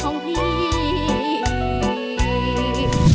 เห็นใจเธอตาเต๋าเขาดี